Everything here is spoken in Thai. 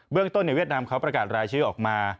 เรื่องต้นในเวียดนามเขาประกาศรายชื่อออกมา